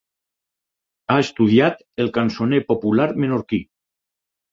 Ha estudiat el cançoner popular menorquí.